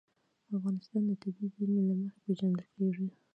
افغانستان د طبیعي زیرمې له مخې پېژندل کېږي.